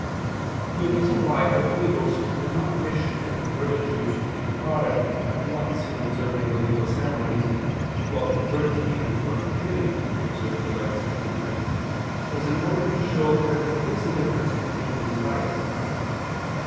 The reason why the Holy Ghost did not wish the converted Jews to be debarred at once from observing the legal ceremonies, while converted heathens were forbidden to observe the rites of heathendom, was in order to show that there is a difference between these rites.